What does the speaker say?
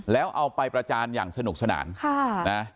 แล้วเอาไปประจานอย่างสนุกสนาน